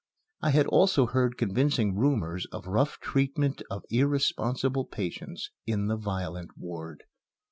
I had also heard convincing rumors of rough treatment of irresponsible patients in the violent ward.